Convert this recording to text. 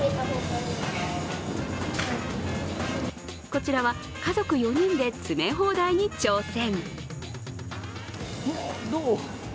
こちらは、家族４人で詰め放題に挑戦。